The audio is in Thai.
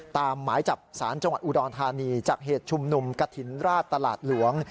หมายจับสารจังหวัดอุดรธานีจากเหตุชุมนุมกฐินราชตลาดหลวง